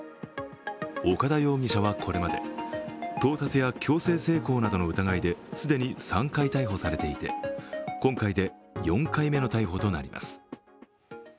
岡田容疑者はこれまで盗撮や強制性交などの疑いで既に３回逮捕されていて今回で４回目の逮捕となります。